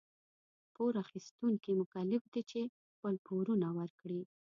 پور اخيستونکي مکلف دي چي خپل پورونه ورکړي.